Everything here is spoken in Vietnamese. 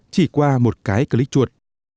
chỉ qua một cái click chuột